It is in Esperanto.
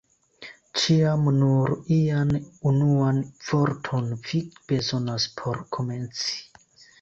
Ĉiam nur ian unuan vorton vi bezonas por komenci!